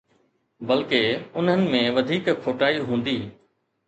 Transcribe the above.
بلڪه، انهن ۾ وڌيڪ کوٽائي هوندي.